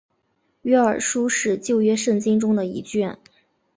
约珥书是旧约圣经中的一卷。